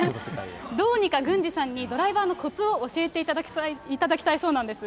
どうにか、郡司さんにドライバーの教えていただきたいそうなんです。